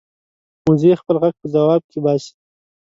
وزې خپل غږ په ځواب کې باسي